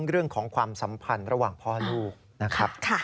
เรื่องของความสัมพันธ์ระหว่างพ่อลูกนะครับ